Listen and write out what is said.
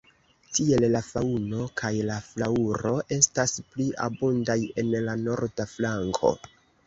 Tiel la faŭno kaj la flaŭro estas pli abundaj en la norda flanko.